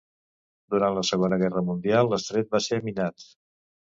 Durant la Segona Guerra Mundial l'estret va ser minat.